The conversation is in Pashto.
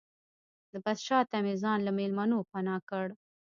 د بس شاته مې ځان له مېلمنو پناه کړ.